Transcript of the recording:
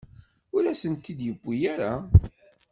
Ur asen-t-id-yewwi ara.